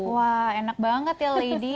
wah enak banget ya lady